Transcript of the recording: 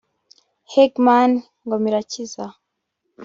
Hegman Ngomirakiza